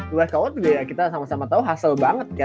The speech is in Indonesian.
luas howard udah kita sama sama tau hasil banget